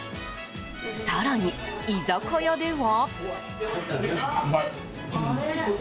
更に居酒屋では。